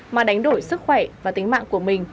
mà đánh đổi sức khỏe và tính mạng của mình